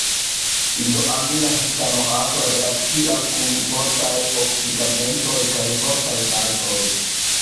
Izoamila heptanoato reakcias kun fortaj oksidigagentoj kaj fortaj bazoj.